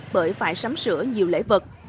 bởi phải sắm sửa nhiều lễ vật